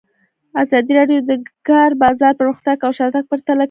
ازادي راډیو د د کار بازار پرمختګ او شاتګ پرتله کړی.